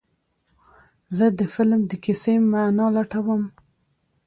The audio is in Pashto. زه د فلم د کیسې معنی لټوم.